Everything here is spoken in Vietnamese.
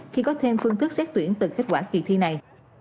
khi có thêm phương thức xét tuyển từ kết quả kỳ thi này